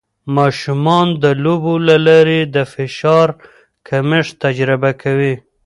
ماشومان د لوبو له لارې د فشار کمښت تجربه کوي.